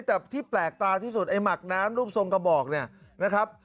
แต่ที่แปลกตาที่สุดไอ้หมักน้ำรูปทรงกระบอกเนี่ยนะครับ